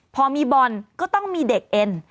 พอมีบอลก็ต้องมีเด็กเอ็น